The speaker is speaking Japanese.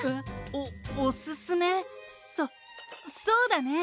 そそうだね。